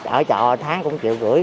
ở chợ tháng cũng một triệu rưỡi